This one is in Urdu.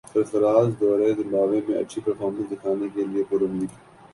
سرفرازدورہ زمبابوے میں اچھی پرفارمنس دکھانے کیلئے پر امید